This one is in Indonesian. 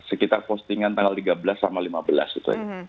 sekitar postingan tanggal tiga belas sama lima belas gitu aja